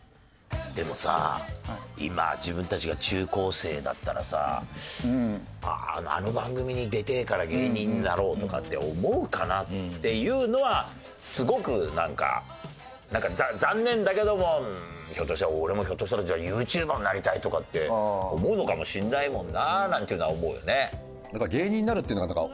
でもさ今自分たちが中高生だったらさ「あの番組に出てえから芸人になろう」とかって思うかなっていうのはすごくなんかなんか残念だけども俺もひょっとしたらＹｏｕＴｕｂｅｒになりたいとかって思うのかもしれないもんななんていうのは思うよね。